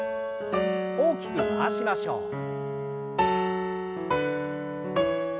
大きく回しましょう。